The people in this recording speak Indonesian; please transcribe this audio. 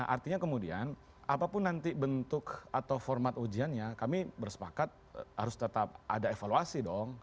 artinya kemudian apapun nanti bentuk atau format ujiannya kami bersepakat harus tetap ada evaluasi dong